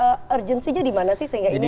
agensinya dimana sih sehingga ini harus